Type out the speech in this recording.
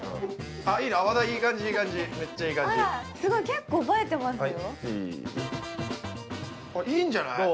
結構映えてますよ。